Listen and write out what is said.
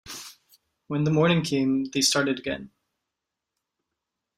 When morning came they started again.